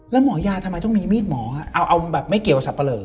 แล้วหมอยาทำไมต้องมีมีดหมอเอาแบบไม่เกี่ยวกับสับปะเลอ